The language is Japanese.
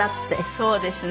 そうですね。